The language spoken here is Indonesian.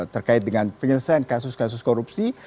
terkait dengan penyelesaian kasus kasus korupsi